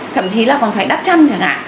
thậm chí là còn phải đắp chân chẳng hạn